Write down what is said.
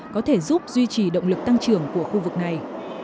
có thể giúp duy trì động lực tăng trưởng của khu vực này